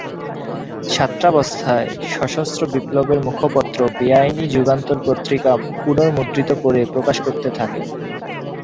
ছাত্রাবস্থায় সশস্ত্র বিপ্লবের মুখপত্র বেআইনি যুগান্তর পত্রিকা পূন:মুদ্রিত করে প্রকাশ করতে থাকেন।